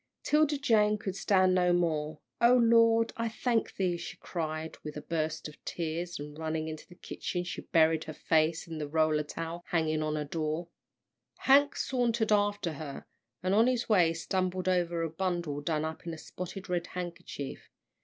'Tilda Jane could stand no more. "O Lord, I thank thee!" she cried, with a burst of tears, and running into the kitchen, she buried her face in the roller towel hanging on a door. Hank sauntered after her, and on his way stumbled over a bundle done up in a spotted red handkerchief.